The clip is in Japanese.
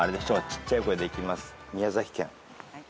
ちっちゃい声でいきます。